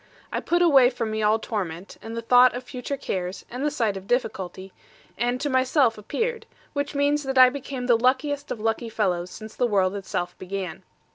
I put away from me all torment, and the thought of future cares, and the sight of difficulty; and to myself appeared, which means that I became the luckiest of lucky fellows, since the world itself began.